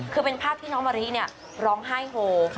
คือเป็นภาพที่น้องมะริร้องไห้โฮ